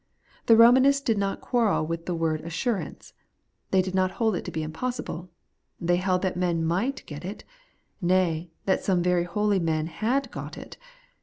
The Eomanists did not quarrel with the word assurance ; they did not hold it to be impossible : they held that men might get it, nay, that some very holy men had got it.